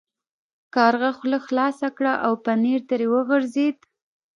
کارغه خوله خلاصه کړه او پنیر ترې وغورځید.